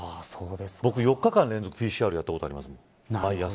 僕、４日間連続ＰＣＲやったことあります。